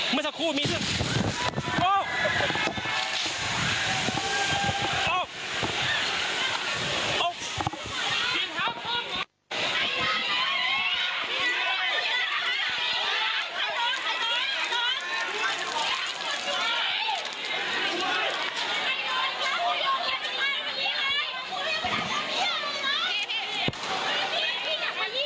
เมื่อสักครู่มีต้น